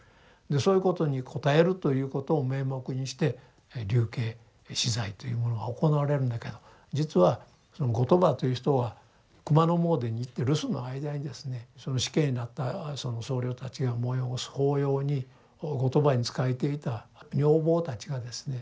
でそういうことに応えるということを名目にして流刑死罪というものは行われるんだけど実はその後鳥羽という人は熊野詣に行って留守の間にですね死刑になったその僧侶たちが催す法要に後鳥羽に仕えていた女房たちがですね